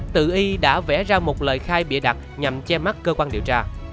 tự y đã vẽ ra một lời khai bịa đặt nhằm che mắt cơ quan điều tra